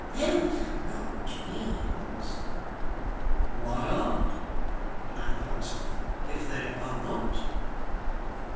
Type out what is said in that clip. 'Those are not dreams.' 'What are,' replied the locksmith, 'if they are not?